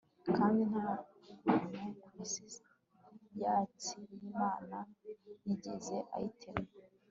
kandi nta kuntu ku isi yatsi y'imana yigeze ayitema